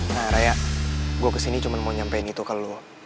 nah raya gue kesini cuma mau nyampein itu kalau